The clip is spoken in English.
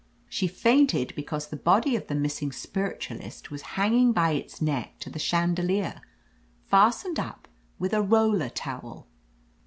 "She fainted be^• cause the body of the missing spiritualist was hanging by its neck to the chandelier, fastened up with a roller towel."